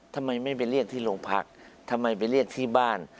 ทำไมไม่ไปเรียกที่โรงพักทำไมไปเรียกที่บ้าน